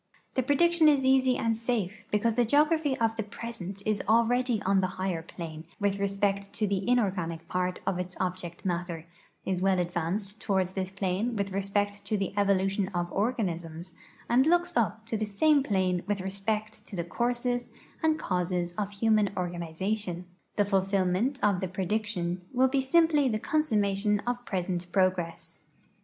Tlie prediction is easy and safe because the geography of the l)resent is already on the higher plane with respect to the inor ganic j)art of its object matter, is well advanced toward this plane with respect to the evolution of organisms, and looks up to the same ])lane with respect to the courses and causes of human organization; the fulfillment of the prediction will be simply the consummation 'of present progress.